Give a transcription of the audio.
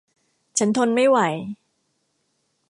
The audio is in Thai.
ฉันทนไม่ไหว